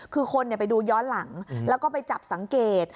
คือคนไปดูย้อนหลังแล้วก็ไปจับสังเกต